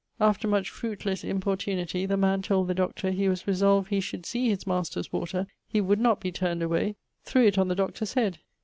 After much fruitlesse importunity, the man told the doctor he was resolved he should see his master's water; he would not be turned away threw it on the Dr's. head.